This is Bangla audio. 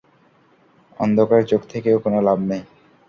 অন্ধকারে চোখ থেকেও কোনো লাভ নেই।